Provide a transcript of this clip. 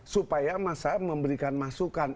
supaya masyarakat memberikan masukan